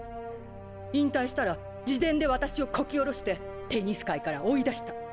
引退したら自伝で私をこき下ろしてテニス界から追い出した。